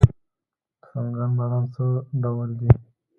د سمنګان بادام څه ډول دي؟